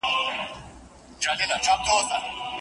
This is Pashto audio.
د هيندارو يوه لار کې يې ويده کړم